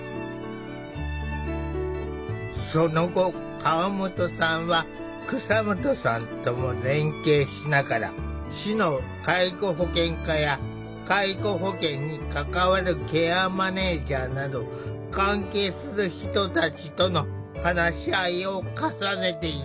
その後河本さんは蒼下さんとも連携しながら市の介護保険課や介護保険に関わるケアマネージャーなど関係する人たちとの話し合いを重ねていった。